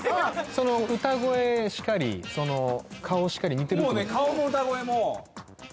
その歌声しかりその顔しかり似てるってこと？